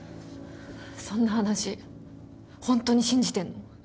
そんな話ほんとに信じてんの？